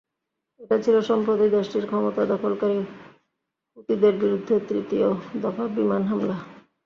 এটা ছিল সম্প্রতি দেশটির ক্ষমতা দখলকারী হুতিদের বিরুদ্ধে তৃতীয় দফা বিমান হামলা।